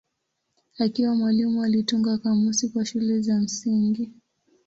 Akiwa mwalimu alitunga kamusi kwa shule za msingi.